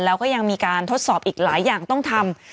แล้วก็ยังมีการทดสอบอีกหลายอย่างต้องทำ